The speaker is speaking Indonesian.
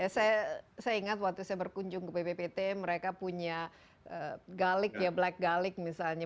saya ingat waktu saya berkunjung ke bppt mereka punya galik ya black galik misalnya